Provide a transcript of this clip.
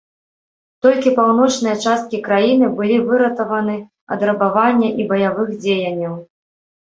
Толькі паўночныя часткі краіны былі выратаваны ад рабавання і баявых дзеянняў.